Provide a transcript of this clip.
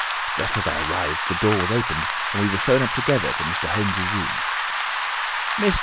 Just as I arrived the door was opened, and we were shown up together to Holmes' room. "Mr.